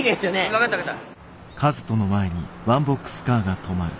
分かった分かった。